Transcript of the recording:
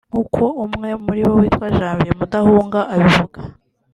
nkuko umwe muri bo witwa Janvier Mudahunga abivuga